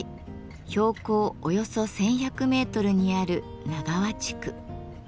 標高およそ１，１００メートルにある奈川地区。